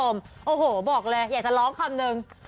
โอ้โหบอกเลยอยากจะร้องคำนึง